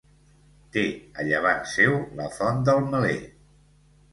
Té a llevant seu la Font del Meler.